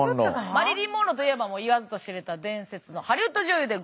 マリリン・モンローといえば言わずと知れた伝説のハリウッド女優でございます。